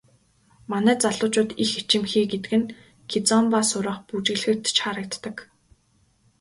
Манай залуучууд их ичимхий гэдэг нь кизомба сурах, бүжиглэхэд ч харагддаг.